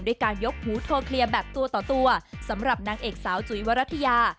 ด้วยการยกหูโทรเคลียร์แบบตัวต่อตัวสำหรับนางเอกสาวจุ๋ยวรัฐยา